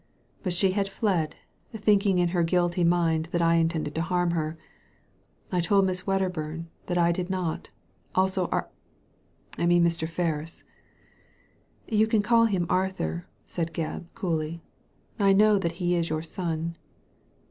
But she had fled, thinking in her guilty mind that I intended to harm her. I told Miss Wedderbum that I did not, also Ar — I mean Mr. Ferris." "You can call him Arthur," said Gebb, coolly. " I know that he is your son."